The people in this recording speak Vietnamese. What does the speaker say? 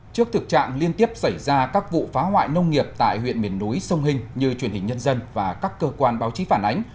trước thực trạng liên tiếp xảy ra các vụ phá hoại nông nghiệp tại huyện miền núi sông hình như truyền hình nhân dân và các cơ quan báo chí phản ánh